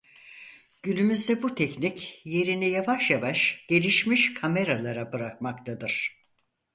Günümüzde bu teknik yerini yavaş yavaş gelişmiş kameralara bırakmaktadır.